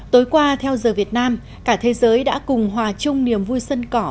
tối qua theo giờ việt nam cả thế giới đã cùng hòa chung niềm vui sân cỏ